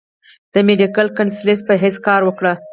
د ميډيکل کنسلټنټ پۀ حېث کار اوکړو ۔